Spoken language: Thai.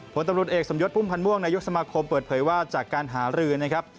ผลตำรวจเอกสมยศพุ่มพันธ์ม่วงนายกสมาคมเปิดเผยว่าจากการหารือนะครับ